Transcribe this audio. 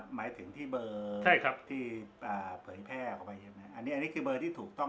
หมายถึงที่เบอร์ใช่ครับที่เผยแพร่ออกไปใช่ไหมอันนี้อันนี้คือเบอร์ที่ถูกต้อง